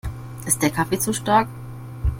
Ist der Kaffee zu stark?